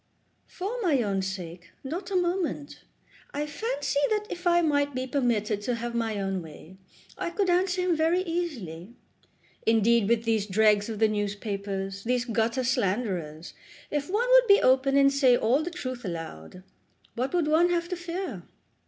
"For my own sake, not a moment. I fancy that if I might be permitted to have my own way I could answer him very easily. Indeed with these dregs of the newspapers, these gutter slanderers, if one would be open and say all the truth aloud, what would one have to fear?